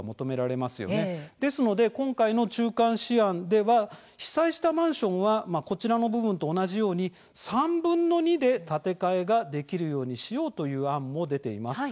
そこで、この中間試案では被災したマンションはこの部分と同じ３分の２で建て替えができるようにしようという案も出ています。